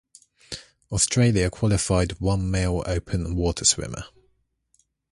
Austria qualified one male open water swimmer.